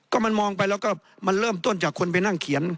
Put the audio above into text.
ก็มันมองไปแล้วก็มันเริ่มต้นจากคนไปนั่งเขียน